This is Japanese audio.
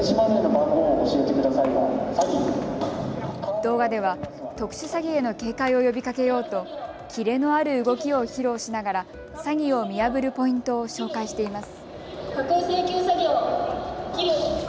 動画では特殊詐欺への警戒を呼びかけようとキレのある動きを披露しながら詐欺を見破るポイントを紹介しています。